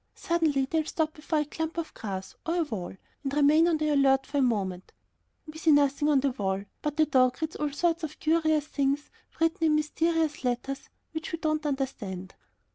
Suddenly they'll stop before a clump of grass, or a wall, and remain on the alert for a moment. We see nothing on the wall, but the dog reads all sorts of curious things written in mysterious letters which we do not understand.